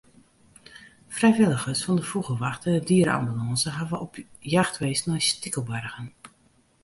Frijwilligers fan de Fûgelwacht en de diere-ambulânse hawwe op jacht west nei stikelbargen.